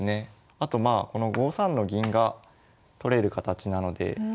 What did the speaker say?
あとまあこの５三の銀が取れる形なので。